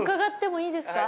いいですか？